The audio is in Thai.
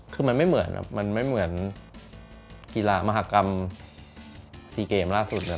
คือมันไม่เหมือนกีฬามหกรรม๔เกมล่าสุด